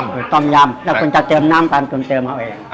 สูตรต้มยำแล้วคุณจะเติมน้ำตามคุณเติมเอาเอง